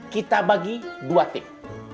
kita bagi dua tip